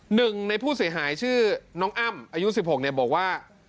หนึ่งในผู้เสียหายชื่อน้องอ้ำอายุ๑๖บอกว่า